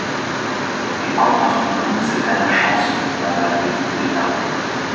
Et quand tenterons-nous cette dernière chance? demanda lady Helena.